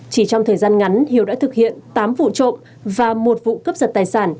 chỉ trong thời gian ngắn hiếu đã thực hiện tám vụ trộm và một vụ cướp giật tài sản